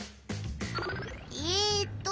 えっと